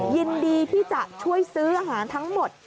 ยินดีที่จะช่วยซื้ออาหารทั้งหมด